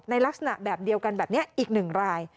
ลักษณะแบบเดียวกันแบบนี้อีก๑ราย